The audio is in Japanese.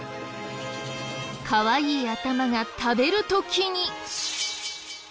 かわいい頭が食べる時に。